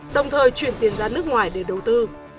đồng thời chuyển tiền ra nước ngoài để đầu tư